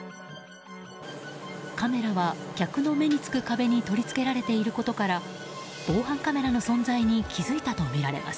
カメラは客の目につく壁に取り付けられていることから防犯カメラの存在に気付いたとみられます。